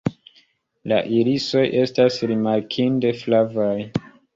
La irisoj estas rimarkinde flavaj.